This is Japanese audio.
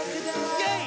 イェイ！